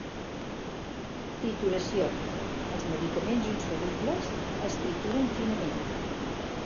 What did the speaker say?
Trituració: els medicaments insolubles es trituren finament.